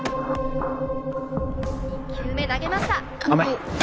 ２球目投げました甘い！